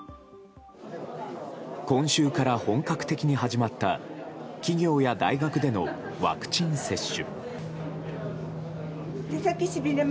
今週から本格的に始まった企業や大学でのワクチン接種。